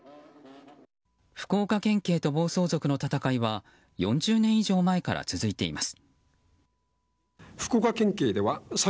福岡県警と暴走族の戦いは４０年以上前から続いています。